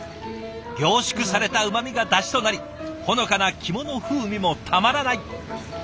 凝縮されたうまみがだしとなりほのかな肝の風味もたまらない。